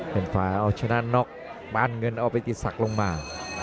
เป็นฝาเอาชนะน็อกปานเงินเอาไปติดศักดิ์ลงมา